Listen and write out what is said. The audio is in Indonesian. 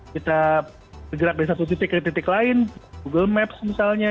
kita bergerak dari satu titik ke titik lain google maps misalnya